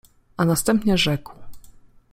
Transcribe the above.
A następnie rzekł.